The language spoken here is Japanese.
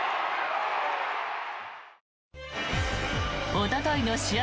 おとといの試合